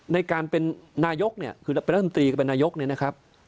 ในการเป็นนายกเนี่ยคือเป็นรัฐมนตรีกับเป็นนายกเนี่ยนะครับ